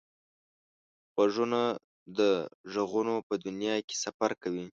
غوږونه د غږونو په دنیا کې سفر کوي